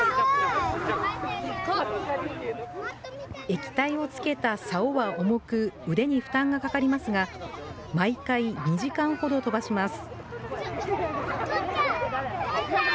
液体をつけたさおは重く、腕に負担がかかりますが、毎回２時間ほど飛ばします。